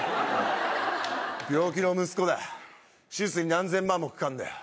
病気の息子だ手術に何千万もかかんだよ